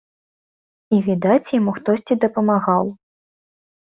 І, відаць, яму хтосьці дапамагаў.